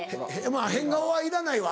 まぁ変顔はいらないわ。